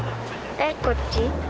えっこっち。